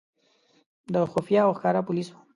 د خفیه او ښکاره پولیسو.